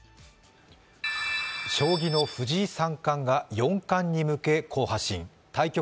将棋の藤井三冠が四冠に向け、好発進。